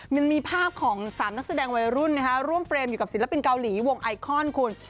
มันมีภาพของ๓นักแสดงวัยรุ่นร่วมเฟรมอยู่กับศิลปินเกาหลีวงไอคอนคุณ